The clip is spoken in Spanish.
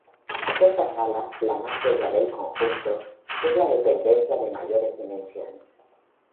Esta sala, la más bella del conjunto, es la dependencia de mayores dimensiones.